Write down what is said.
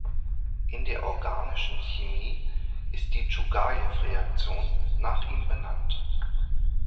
In der organischen Chemie ist die Tschugajew-Reaktion nach ihm benannt.